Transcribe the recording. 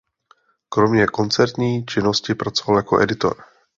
Kromě koncertní činnosti pracoval jako editor.